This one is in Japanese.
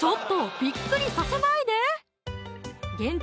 びっくりさせないで限定